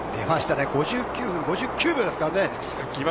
５９分５９秒ですからね。